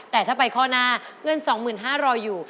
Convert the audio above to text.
แต่ถ้าไปข้อหน้าเงิน๒๕๐๐รออยู่